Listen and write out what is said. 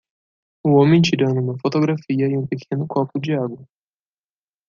Um homem tirando uma fotografia em um pequeno corpo de água.